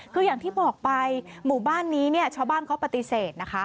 คืออย่างที่บอกไปหมู่บ้านนี้เนี่ยชาวบ้านเขาปฏิเสธนะคะ